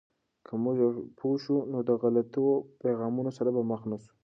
که موږ پوه شو، نو د غلطو پیغامونو سره به مخ نسو.